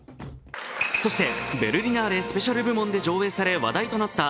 そしてベルリナーレ・スペシャル部門で上映され話題となった